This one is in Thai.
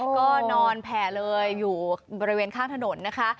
ก็นอนแผ่เลยอยู่บริเวณข้างถนนนะคะ